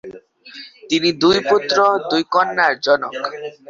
তিনি দুই পুত্র, দুই কন্যার জনক।